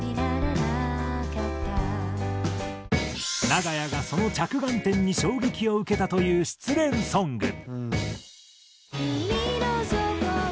長屋がその着眼点に衝撃を受けたという失恋ソング。